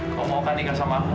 kau mau ke adikku sama aku